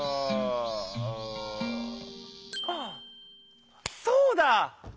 あっそうだ！